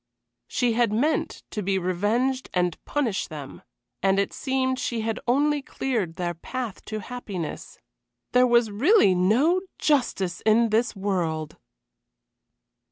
She had meant to be revenged and punish them, and it seemed she had only cleared their path to happiness. There was really no justice in this world!